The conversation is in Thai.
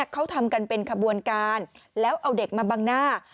เขาทำกันเป็นขบวนการแล้วเอาเด็กมาบังหน้า